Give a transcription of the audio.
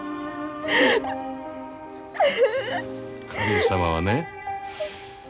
神様はね